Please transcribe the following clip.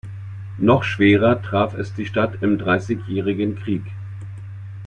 Noch schwerer traf es die Stadt im Dreißigjährigen Krieg.